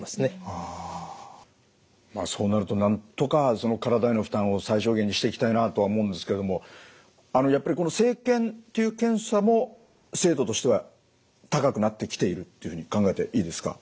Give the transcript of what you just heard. そうなるとなんとか体への負担を最小限にしていきたいなとは思うんですけどもやっぱり生検という検査も精度としては高くなってきているっていうふうに考えていいですか？